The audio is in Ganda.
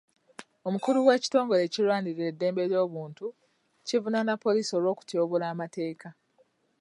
Omukulu w'ekitongole ekirwanirira eddembe ly'obuntu kivunaana poliisi olw'okutyoboola amateeka.